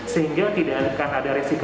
sehingga tidak akan ada resiko